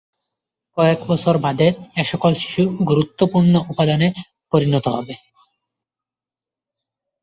কয়েক বছর বাদে এ সকল শিশু গুরুত্বপূর্ণ উপাদানে পরিণত হবে।